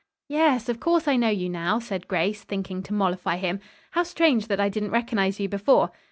"Yes, of course I know you, now," said Grace, thinking to mollify him. "How strange that I didn't recognize you before."